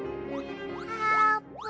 あーぷん？